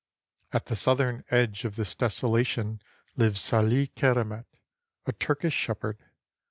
At the southern edge of this desolation lives Salih Keramet, a Turkish shepherd.